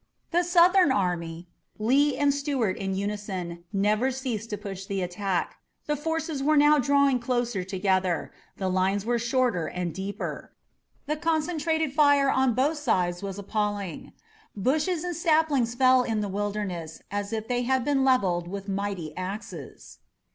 The Southern army, Lee and Stuart in unison, never ceased to push the attack. The forces were now drawing closer together. The lines were shorter and deeper. The concentrated fire on both sides was appalling. Bushes and saplings fell in the Wilderness as if they had been levelled with mighty axes.